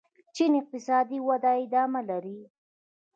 چین اقتصادي وده ادامه لري.